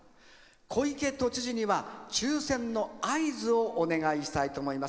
小池都知事には抽せんの合図をお願いしたいと思います。